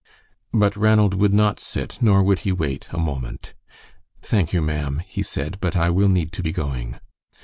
But Ranald would not sit, nor would he wait a moment. "Thank you, ma'am," he said, "but I will need to be going."